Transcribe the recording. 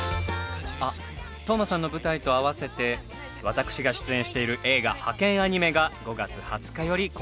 あっ斗真さんの舞台と併せて私が出演している映画『ハケンアニメ！』が５月２０日より公開になります。